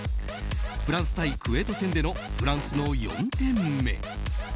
フランス対クウェート戦でのフランスの４点目。